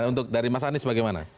untuk dari mas anies bagaimana